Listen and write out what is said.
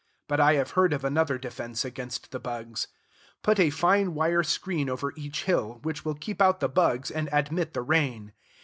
But I have heard of another defense against the bugs. Put a fine wire screen over each hill, which will keep out the bugs and admit the rain.